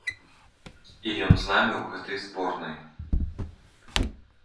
І ён з намі ў гэтай зборнай.